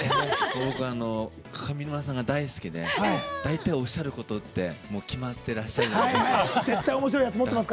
僕、上沼さんが大好きで、大体おっしゃること決まってらっしゃるじゃないですか。